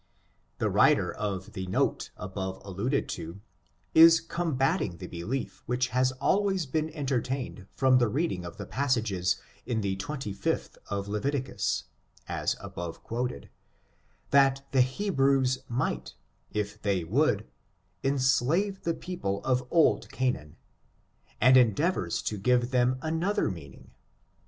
The writer of the note above alluded to is combat ing the belief which has always been entertained from the reading of the passages in the 25th of Leviticus, as above quoted, that the Hebrews 7night, if they would, enslave the people of old Canaan, and endeav ors to give them another meanmg.